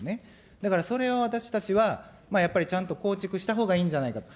だから、それを私たちは、やっぱりちゃんと構築したほうがいいんじゃないかと。